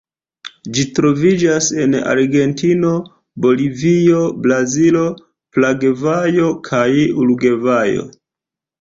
Ĝi troviĝas en Argentino, Bolivio, Brazilo, Paragvajo kaj Urugvajo.